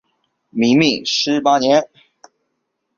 明命十八年。